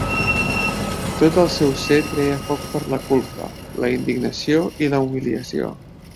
Tot el seu ser treia foc per la culpa, la indignació i la humiliació.